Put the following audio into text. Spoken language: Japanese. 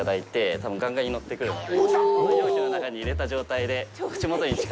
多分、ガンガンに乗ってくるので。